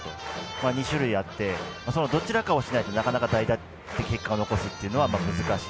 ２種類あってそのどちらかをしないとなかなか代打で結果を残すというのは難しい。